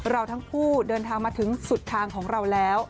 เราทั้งคู่เดินทางมาถึงสุดทางของเราแล้ว